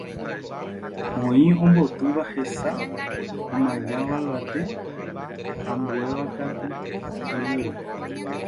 Oĩ ombotýva hesa, omañáva yvate, ambuévakatu yvýre.